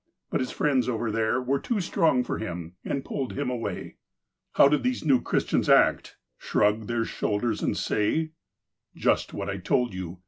But his friends over there were too strong for him and pulled him away. How did these new Christians act ?— shrug their shoul ders, and say :'' Just what I told you.